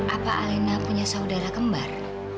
apa alena punya saudara kembar